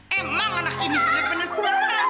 emang anak ini benar benar kuat